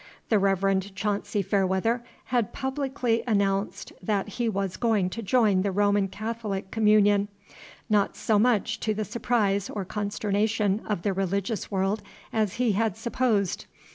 The Reverend Chauncy Fairweather had publicly announced that he was going to join the Roman Catholic communion, not so much to the surprise or consternation of the religious world as he had supposed.